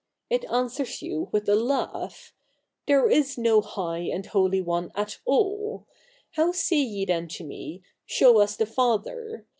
It answers you with a laugh, *' There is no high and holy One at all. How say ye then to me, Show us the Father